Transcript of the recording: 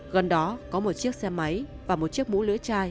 gần đó có một chiếc xe máy và một chiếc mũ lưỡi chai